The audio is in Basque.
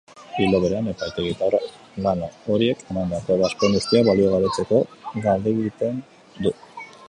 Ildo berean, epaitegi eta organo horiek emandako ebazpen guztiak baliogabetzeko galdegiten du.